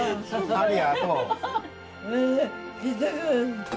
ありがとう。